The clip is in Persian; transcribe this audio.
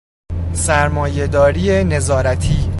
سرمایهداری نظارتی